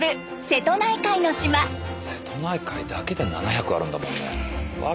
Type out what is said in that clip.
瀬戸内海だけで７００あるんだもんね。